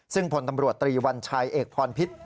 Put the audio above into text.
ซึ่งพลตำรวจตรีวัญชัยเอกพรพิษ